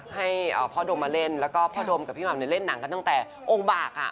ให้พ่อดมมาเล่นแล้วก็พ่อดมกับพี่หม่ำเล่นหนังกันตั้งแต่องค์บาก